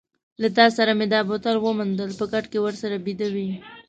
له تا سره مې دا بوتل وموندل، په کټ کې ورسره بیده وې.